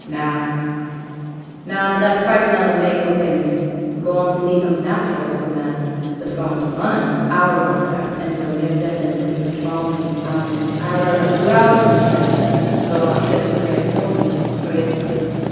'Na, na; but that's quite another mak' o' thing; going' to sea comes natteral to a man, but goin' to Lunnon, I were once there, and were near deafened wi' t' throng and t' sound. I were but two hours i' t' place, though our ship lay a fortneet off Gravesend.'